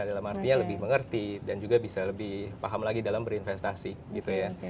dalam artinya lebih mengerti dan juga bisa lebih paham lagi dalam berinvestasi gitu ya